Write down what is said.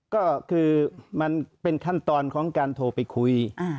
ก็คือมันเป็นขั้นตอนของการโทรไปคุย